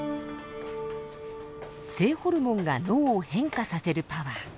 性ホルモンが脳を変化させるパワー。